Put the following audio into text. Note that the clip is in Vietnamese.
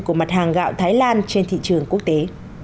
của mặt hàng gạo thái lan trên thị trường quốc tế